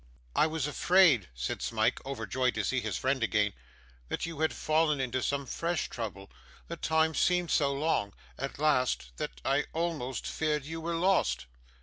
'I was afraid,' said Smike, overjoyed to see his friend again, 'that you had fallen into some fresh trouble; the time seemed so long, at last, that I almost feared you were lost.